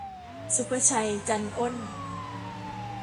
ศุภชัย จันอ้น